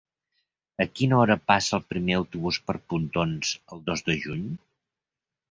A quina hora passa el primer autobús per Pontons el dos de juny?